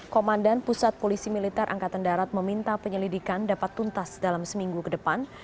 komandan pusat polisi militer angkatan darat meminta penyelidikan dapat tuntas dalam seminggu ke depan